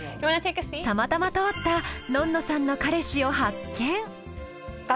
たまたま通ったのんのさんの彼氏を発見。